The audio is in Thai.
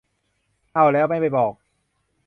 เอ้า แล้วไม่บอก